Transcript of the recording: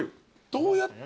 どうやって。